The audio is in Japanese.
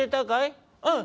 うん！